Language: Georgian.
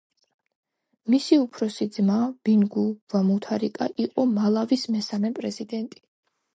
მისი უფროსი ძმა, ბინგუ ვა მუთარიკა იყო მალავის მესამე პრეზიდენტი.